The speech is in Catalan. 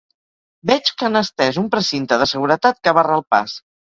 Veig que han estès un precinte de seguretat que barra el pas.